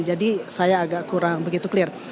jadi saya agak kurang begitu clear